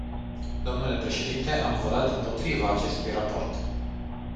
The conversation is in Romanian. Dle președinte, am votat împotriva acestui raport.